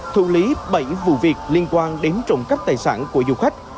thủ lý bảy vụ việc liên quan đến trộm cắp tài sản của du khách